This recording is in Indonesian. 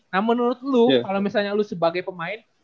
nah menurut lu kalau misalnya lu sebagai pemain